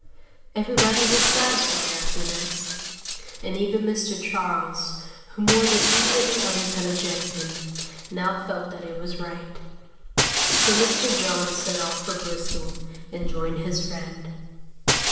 Everybody was satisfied after this, and even Mr. Charles, who more than any of the others had objected, now felt that it was right. So Mr. John set off for Bristol and joined his friend.